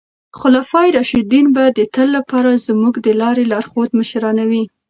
خلفای راشدین به د تل لپاره زموږ د لارې لارښود مشران وي.